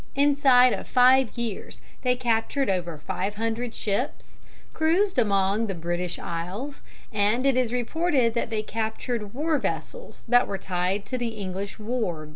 Inside of five years they captured over five hundred ships, cruised among the British isles, and it is reported that they captured war vessels that were tied to the English wharves.